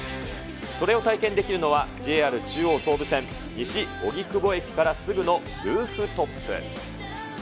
それを体験できるのは、ＪＲ中央・総武線西荻窪駅からすぐのルーフトップ。